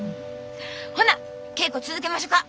ほな稽古続けましょか！